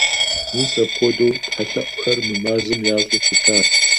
Мис апхуэдэу тхьэлъэӀухэр мы мазэм ящӀыу щытащ.